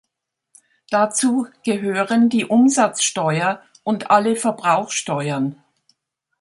Dazu gehören die Umsatzsteuer und alle Verbrauchsteuern.